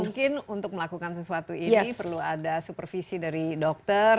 jadi mungkin untuk melakukan sesuatu ini perlu ada supervisi dari dokter